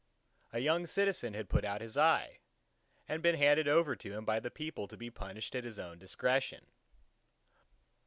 A young citizen had put out his eye, and been handed over to him by the people to be punished at his own discretion.